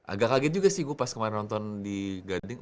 agak kaget juga sih gue pas kemarin nonton di gading